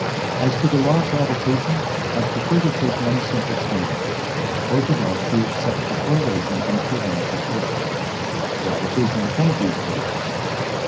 As to the Law of Gravitation, I prefer to take one simple stand: Orthodoxy accepts the correlation and equivalence of forces: Gravitation is one of these forces.